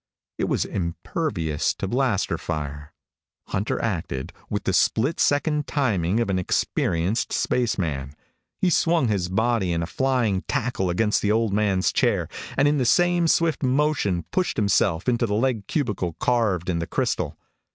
It was impervious to blaster fire. Hunter acted with the split second timing of an experienced spaceman. He swung his body in a flying tackle against the old man's chair and in the same swift motion pushed himself into the leg cubicle carved in the crystal.